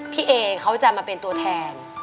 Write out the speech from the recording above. พี่เอเขาจะมาเป็นตัวแทน